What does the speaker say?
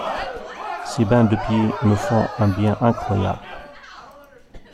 Ces bains de pieds me font un bien incroyable…